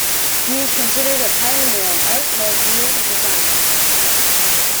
He is considered a pioneer in Art Nouveau design.